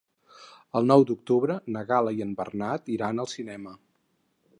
El nou d'octubre na Gal·la i en Bernat iran al cinema.